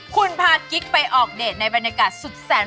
คุณพากิ๊กไปออกเดทในบรรยากาศสุดแสน